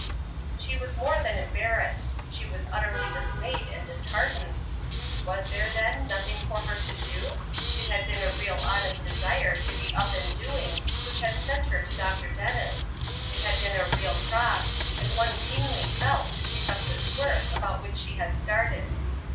She was more than embarrassed; she was utterly dismayed and disheartened. Was there, then, nothing for her to do? It had been a real honest desire to be up and doing which had sent her to Dr. Dennis; it had been a real cross, and one keenly felt to take up this work about which she had started.